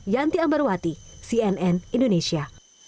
yanti ambarwati cnn indonesia